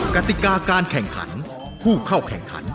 กติกาการแข่งขันผู้เข้าแข่งขัน